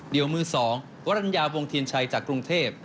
เดี๋ยวมือ๒วรรณญาวงธีนชัยจากกรุงเทพฯ